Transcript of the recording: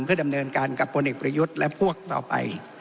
เพื่อดำเนินการกับพลเอกประยุทธ์และพวกต่อไป